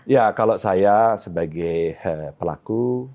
ya kalau saya sebagai pelaku